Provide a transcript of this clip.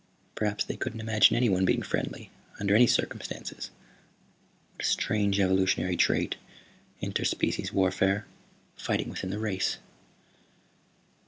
Perhaps they couldn't imagine anyone being friendly, under any circumstances. What a strange evolutionary trait, inter species warfare. Fighting within the race!"